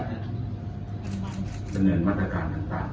ดำเนินมาตรการต่าง